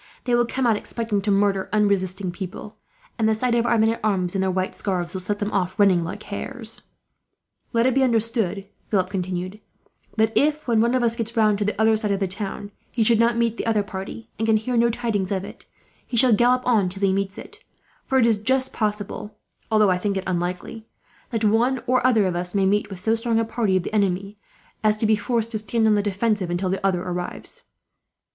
They will come out expecting to murder unresisting people; and the sight of our men at arms, in their white scarves, will set them off running like hares." "Let it be understood," Philip continued, "that if, when one of us gets round to the other side of the town, he should not meet the other party, and can hear no tidings of it, he shall gallop on till he meets it; for it is just possible, although I think it unlikely, that one or other of us may meet with so strong a party of the enemy as to be forced to stand on the defensive, until the other arrives."